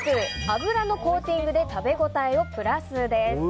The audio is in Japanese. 油のコーティングで食べ応えをプラスです。